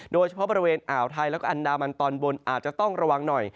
โดยเฉพาะบริเวณอ่าวไทยแล้วก็อันดามันตอนบนอาจจะต้องระวังหน่อย